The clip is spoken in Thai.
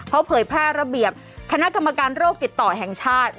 เขาเผยแพร่ระเบียบคณะกรรมการโรคติดต่อแห่งชาติ